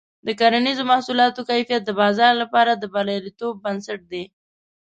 د کرنیزو محصولاتو کیفیت د بازار لپاره د بریالیتوب بنسټ دی.